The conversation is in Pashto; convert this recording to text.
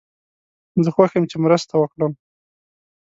زه خوښ یم چې مرسته وکړم.